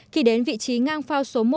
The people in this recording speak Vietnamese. khi đến vị trí ngang phao số một